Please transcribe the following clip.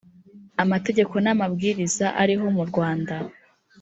amategeko n’amabwiriza ariho mu rwanda